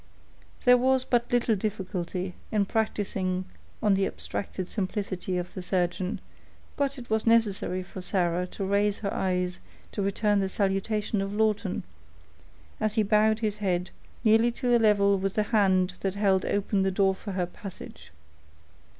There was but little difficulty in practicing on the abstracted simplicity of the surgeon; but it was necessary for Sarah to raise her eyes to return the salutation of Lawton, as he bowed his head nearly to a level with the hand that held open the door for her passage.